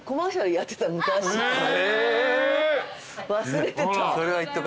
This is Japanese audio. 忘れてた。